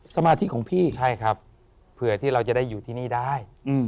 สมาธิของพี่ใช่ครับเผื่อที่เราจะได้อยู่ที่นี่ได้